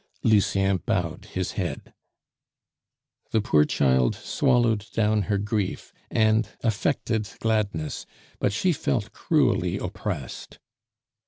Lucien bowed his head. The poor child swallowed down her grief and affected gladness, but she felt cruelly oppressed.